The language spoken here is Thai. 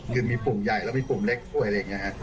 คือมีปุ่มใหญ่แล้วมีปุ่มเล็กป่วยอะไรอย่างนี้ฮะ